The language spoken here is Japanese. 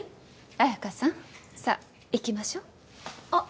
綾華さんさあ行きましょうあっ